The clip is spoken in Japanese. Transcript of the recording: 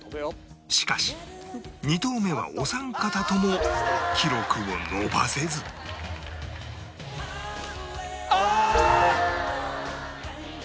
しかし２投目はお三方とも記録を伸ばせずあーっ！